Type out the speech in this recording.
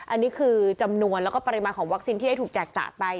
อันนี้คือจำนวนแล้วก็ปริมาณของวัคซีนที่ได้ถูกแจกจ่ายไป